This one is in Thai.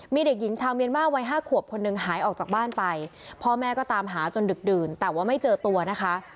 มีเด็กหญิงชาวเมียนมาร์วัย๕ขวบคนหนึ่งหายออกจากบ้านไปพ่อแม่ก็ตามหาจนดึกดื่นแต่ว่าไม่เจอตัวนะคะ